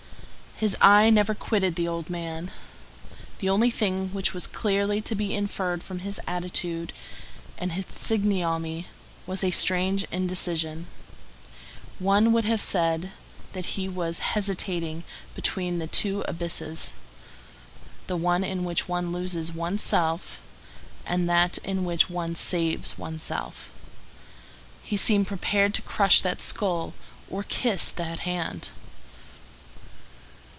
His eye never quitted the old man. The only thing which was clearly to be inferred from his attitude and his physiognomy was a strange indecision. One would have said that he was hesitating between the two abysses,—the one in which one loses one's self and that in which one saves one's self. He seemed prepared to crush that skull or to kiss that hand.